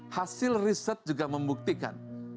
hasil riset juga membuktikan